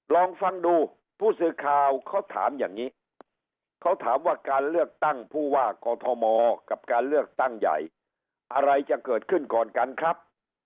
ลองฟังดูผู้สื่อข่าวเขาถามอย่างนี้เขาถามว่าการเลือกตั้งผู้ว่ากอทมกับการเลือกตั้งใหญ่อะไรจะเกิดขึ้นก่อนกันครับ